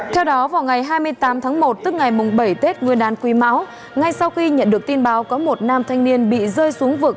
theo đó vào ngày hai mươi tám tháng một tức ngày bảy tết nguyên đán quý mão ngay sau khi nhận được tin báo có một nam thanh niên bị rơi xuống vực